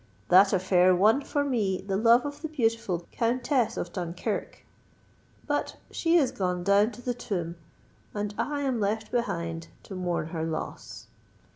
That affair won for me the love of the beautiful Countess of Dunkirk:—but she is gone down to the tomb—and I am left behind to mourn her loss!"